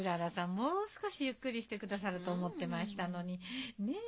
もう少しゆっくりしてくださると思ってましたのにねえ？